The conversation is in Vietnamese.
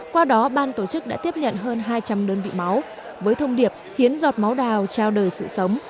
qua đó ban tổ chức đã tiếp nhận hơn hai trăm linh đơn vị máu với thông điệp hiến giọt máu đào trao đời sự sống